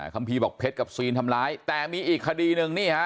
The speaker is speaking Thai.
ัมภีร์บอกเพชรกับซีนทำร้ายแต่มีอีกคดีหนึ่งนี่ฮะ